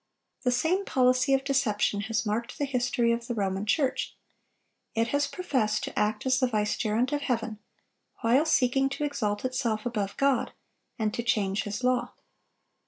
The same policy of deception has marked the history of the Roman Church. It has professed to act as the vicegerent of Heaven, while seeking to exalt itself above God, and to change His law.